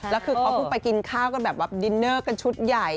แล้วคือเขาเพิ่งไปกินข้าวกันแบบว่าดินเนอร์กันชุดใหญ่